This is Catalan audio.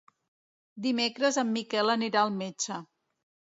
Divendres en Miquel anirà al metge.